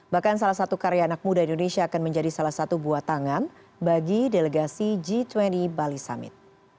bahkan salah satu karya anak muda indonesia akan menjadi salah satu buatangan bagi delegasi g dua puluh bali summit